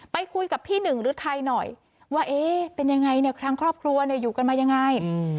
ไปคุยกับพี่หนึ่งฤทัยหน่อยว่าเอ๊ะเป็นยังไงเนี่ยครั้งครอบครัวเนี่ยอยู่กันมายังไง